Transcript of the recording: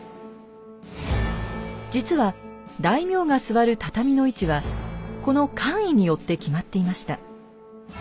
実は大名が座る畳の位置はこの官位によって決まっていました。